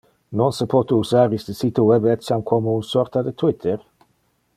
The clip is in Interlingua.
Non se pote usar iste sito web etiam como un sorta de Twitter?